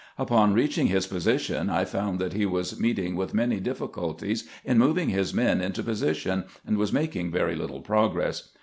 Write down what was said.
Upon reaching his position, I found that he was meeting with many difficulties in moving his men into position, and was making very little progress.